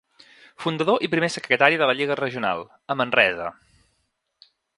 Fundador i primer secretari de la Lliga Regional, a Manresa.